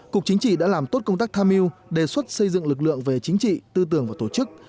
cục chính trị đã làm tốt công tác tham mưu đề xuất xây dựng lực lượng về chính trị tư tưởng và tổ chức